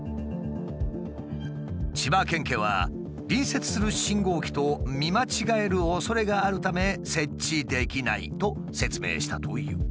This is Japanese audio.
千葉県警は「隣接する信号機と見間違える恐れがあるため設置できない」と説明したという。